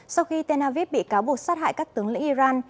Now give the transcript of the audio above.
sau khi tel aviv bị cáo buộc sát hại các tướng lĩnh iran